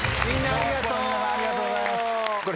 ありがとうございます。